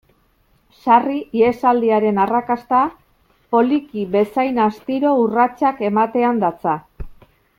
Sarri, ihesaldiaren arrakasta, poliki bezain astiro urratsak ematean datza.